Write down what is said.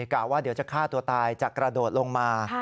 กล่าวว่าเดี๋ยวจะฆ่าตัวตายจะกระโดดลงมา